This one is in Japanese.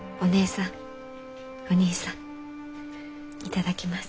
頂きます。